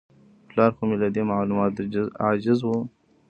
پلار خو مې له دې معلوماتو عاجز و.